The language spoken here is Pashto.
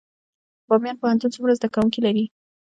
بامیان پوهنتون څومره زده کوونکي لري؟